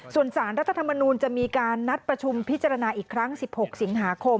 ส่วนสารรัฐธรรมนูลจะมีการนัดประชุมพิจารณาอีกครั้ง๑๖สิงหาคม